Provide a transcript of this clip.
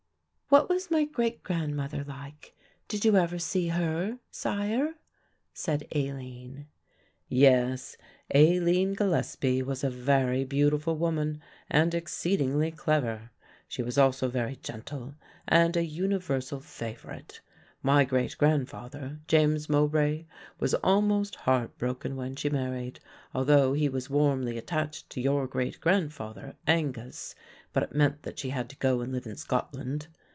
"What was my great grandmother like, did you ever see her, sire?" said Aline. "Yes, Aline Gillespie was a very beautiful woman, and exceedingly clever. She was also very gentle and a universal favourite. My great grandfather, James Mowbray, was almost heartbroken when she married, although he was warmly attached to your great grandfather, Angus, but it meant that she had to go and live in Scotland.